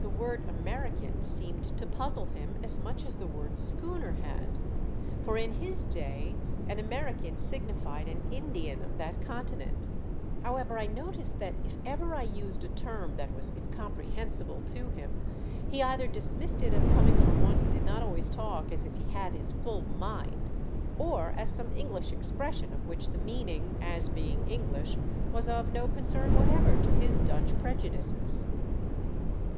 The word American seemed to puzzle him as much as the word schooner had, for in his day an American signified an Indian of that continent. However, I noticed that if ever I used a term that was incomprehensible to him, he either dis missed it as coming from one who did not always talk as if he had his full mind, or as some English expression of which the meaning — as being English — was of no concern whatever to his Dutch pre judices.